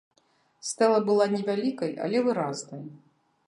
Стэла была невялікай, але выразнай.